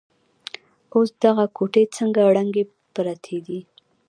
اوس دغه کوټې ځکه ړنګې پرتې دي.